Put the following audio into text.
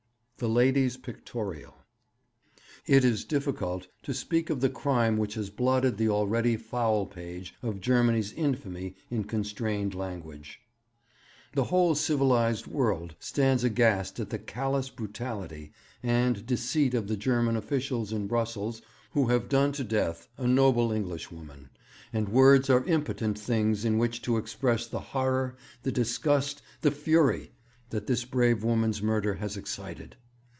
"' The Lady's Pictorial. 'It is difficult to speak of the crime which has blotted the already foul page of Germany's infamy in constrained language. The whole civilized world stands aghast at the callous brutality and deceit of the German officials in Brussels who have done to death a noble Englishwoman; and words are impotent things in which to express the horror, the disgust, the fury, that this brave woman's murder has excited.